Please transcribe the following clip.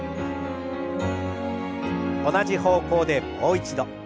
同じ方向でもう一度。